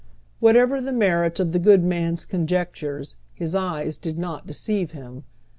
Whatever the merit of the good man's conjectures, his eyes did not deceive him.